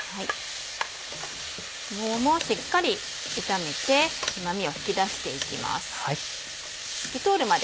ごぼうもしっかり炒めてうまみを引き出していきます。